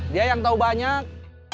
dia yang tau banyak